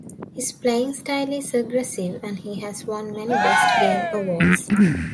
His playing style is aggressive and he has won many "best game" awards.